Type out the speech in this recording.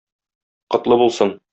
Котлы булсын!